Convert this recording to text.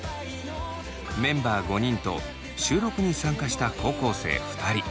メンバー５人と収録に参加した高校生２人。